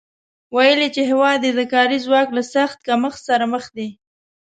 ویلي چې هېواد یې د کاري ځواک له سخت کمښت سره مخ دی